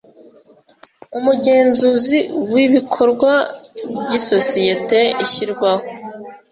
umugenzuzi w ibikorwa by isosiyete ushyirwaho